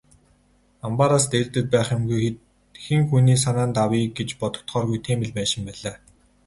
Амбаараас дээрдээд байх юмгүй, хэн хүний санаанд авъя гэж бодогдохооргүй тийм л байшин байлаа.